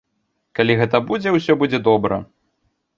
Калі гэта будзе, усё будзе добра.